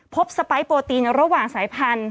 สไปร์โปรตีนระหว่างสายพันธุ